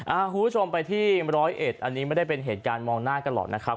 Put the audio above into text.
คุณผู้ชมไปที่ร้อยเอ็ดอันนี้ไม่ได้เป็นเหตุการณ์มองหน้ากันหรอกนะครับ